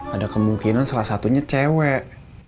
ada kemungkinan salah satunya cewek